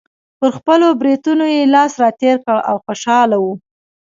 پر خپلو برېتونو یې لاس راتېر کړ او خوشحاله و.